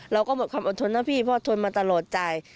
เราก็หมดความอดทนนะพี่เพราะทนมาตลอดจ่าย